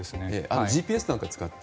ＧＰＳなんかを使って。